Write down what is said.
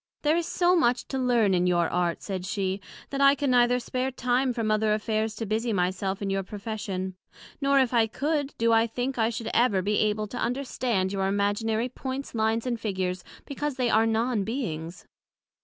There is so much to learn in your Art, said she, that I can neither spare time from other affairs to busie my self in your profession; nor, if I could, do I think I should ever be able to understand your Imaginary points, lines and figures, because they are Non beings.